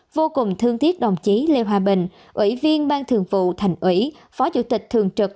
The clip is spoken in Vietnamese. vô cùng thương tiếc đồng chí lê hòa bình ủy viên ban thường vụ thành ủy phó chủ tịch thường trực